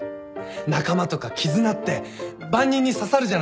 仲間とか絆って万人に刺さるじゃないですか。